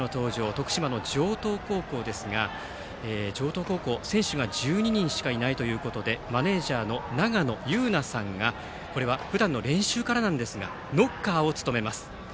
徳島の城東高校ですが城東高校、選手が１２人しかいないということでマネージャーの永野悠菜さんがこれはふだんの練習からですがノッカーを務めます。